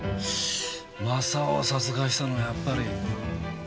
正雄を殺害したのはやっぱり友也か？